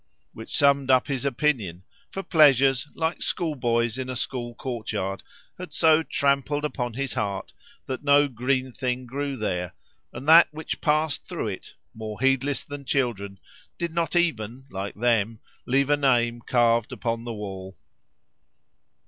Which summed up his opinion; for pleasures, like schoolboys in a school courtyard, had so trampled upon his heart that no green thing grew there, and that which passed through it, more heedless than children, did not even, like them, leave a name carved upon the wall.